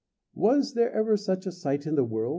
Was ever there such a sight in the world?